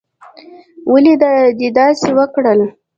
ولې دې داسې وکړل؟